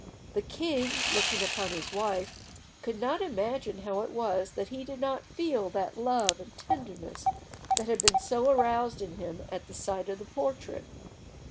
The king, looking upon his wife, could not imagine how it was that he did not feel that love and tenderness that had been aroused in him at the sight of the portrait.